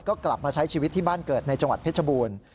ก็กลับมาใช้ชีวิตที่บ้านเกิดในจังหวัดเพชรบูรณ์